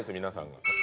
皆さんが。